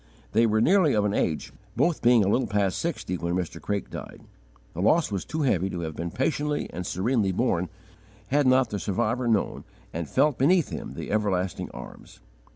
They were nearly of an age, both being a little past sixty when Mr. Craik died. The loss was too heavy to have been patiently and serenely borne, had not the survivor known and felt beneath him the Everlasting Arms.